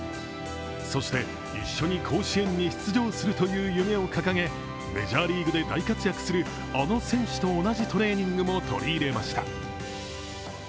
そして、一緒に甲子園に出場するという夢を掲げ、メジャーリーグで大活躍する、あの選手と同じトレーニングも取り入れました。